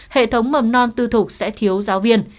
hệ thống mầm non tư thục sẽ thiếu giáo viên